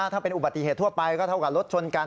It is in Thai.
ถ้าเป็นอุบัติเหตุทั่วไปก็เท่ากับรถชนกัน